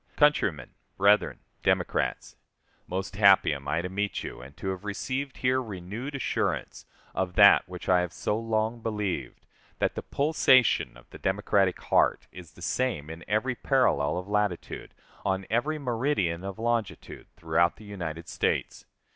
Countrymen, Brethren, Democrats: Most happy am I to meet you, and to have received here renewed assurance of that which I have so long believed that the pulsation of the Democratic heart is the same in every parallel of latitude, on every meridian of longitude, throughout the United States.